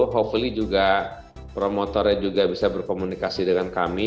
hopefully juga promotornya juga bisa berkomunikasi dengan kami